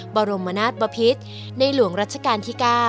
บรมนาศบพิษในหลวงรัชกาลที่๙